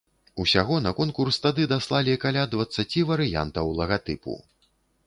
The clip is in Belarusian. Усяго на конкурс тады даслалі каля дваццаці варыянтаў лагатыпу.